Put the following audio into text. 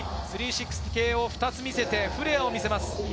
３６０系を２つ見せて、フレアを見せます。